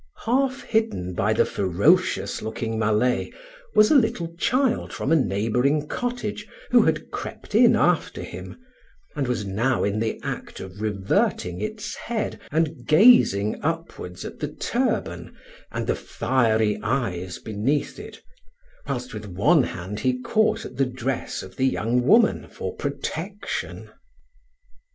Half hidden by the ferocious looking Malay was a little child from a neighbouring cottage who had crept in after him, and was now in the act of reverting its head and gazing upwards at the turban and the fiery eyes beneath it, whilst with one hand he caught at the dress of the young woman for protection.